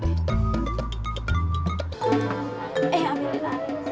ini soal gambar